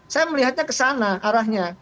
saya melihatnya kesana arahnya